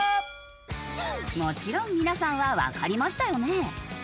もちろん皆さんはわかりましたよね？